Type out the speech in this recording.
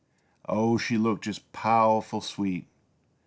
Oh, she looked jest powerful sweet!